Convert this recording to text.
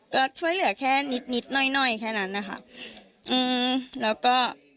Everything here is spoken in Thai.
ก็ช่วยเหลือแค่นิดนิดหน่อยหน่อยแค่นั้นนะคะอืมแล้วก็